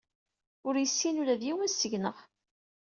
Ur yessin ula d yiwen seg-neɣ.